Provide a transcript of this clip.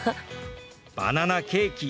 バナナケーキ